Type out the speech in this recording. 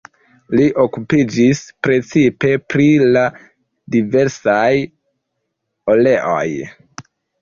Li okupiĝis precipe pri la diversaj oleoj.